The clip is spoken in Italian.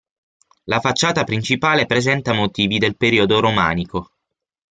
La facciata principale presenta motivi del periodo romanico.